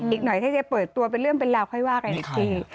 อีกหน่อยถ้าจะเปิดตัวเป็นเรื่องเป็นราวค่อยว่ากันอีกที